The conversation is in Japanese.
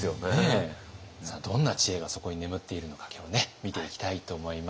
さあどんな知恵がそこに眠っているのか今日はね見ていきたいと思います。